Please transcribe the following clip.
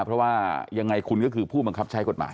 เพราะว่ายังไงคุณก็คือผู้บังคับใช้กฎหมาย